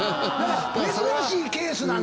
珍しいケースなんだ？